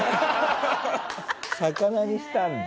魚にしたんだ。